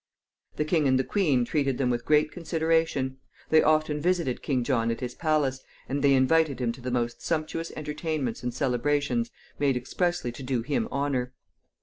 The king and the queen treated them with great consideration. They often visited King John at his palace, and they invited him to the most sumptuous entertainments and celebrations made expressly to do him honor.